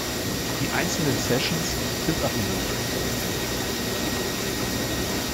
Die einzelnen Sessions sind öffentlich.